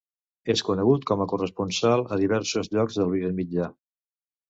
És conegut com a corresponsal a diversos llocs de l'Orient Mitjà.